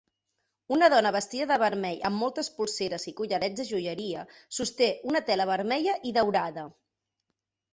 Una dona vestida de vermell amb moltes polseres i collarets de joieria sosté una tela vermella i daurada.